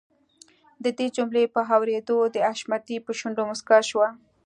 د دې جملې په اورېدلو د حشمتي په شونډو مسکا شوه.